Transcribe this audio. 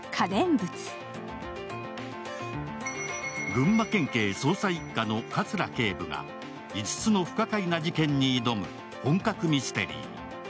群馬県警捜査一課の葛警部が５つの不可解な事件に挑む本格ミステリー。